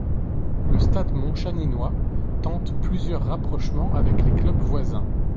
Le Stade montchaninois tente plusieurs rapprochements avec les clubs voisins.